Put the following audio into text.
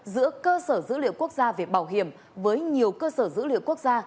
giữa cơ sở dữ liệu quốc gia về bảo hiểm với nhiều cơ sở dữ liệu quốc gia